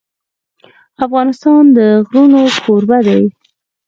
افغانستان د غرونه کوربه دی.